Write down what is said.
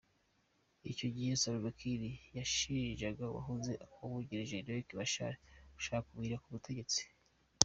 Icyo gihe Salva Kiir yashinjaga uwahoze amwungirije Riek Machar gushaka kumuhirika ku butegetsi.